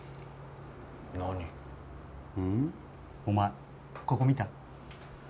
お前ここ見た？